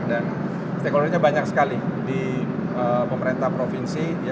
dan stakeholder nya banyak sekali di pemerintah provinsi